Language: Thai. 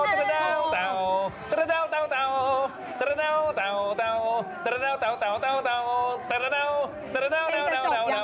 เพลงจะจบยังละ